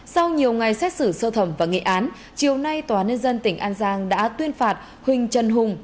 sau nhiều ngày xét xử sơ thẩm và nghị án chiều nay tòa nhân dân tỉnh an giang đã tuyên phạt huỳnh trần hùng